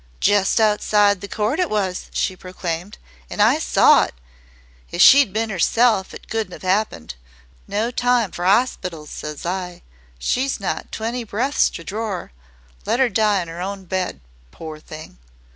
"Just outside the court it was," she proclaimed, "an' I saw it. If she'd bin 'erself it couldn't 'ave 'appened. 'No time for 'osspitles,' ses I. She's not twenty breaths to dror; let 'er die in 'er own bed, pore thing!"